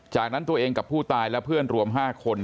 จากนั้นตัวเองกับผู้ตายและเพื่อนรวม๕คน